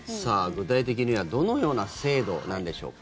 具体的にはどのような制度なんでしょうか。